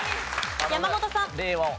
山本さん。